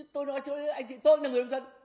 tôi nói cho anh chị tôi là người nông dân